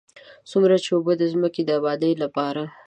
څومره چې اوبه د ځمکې د ابادۍ لپاره.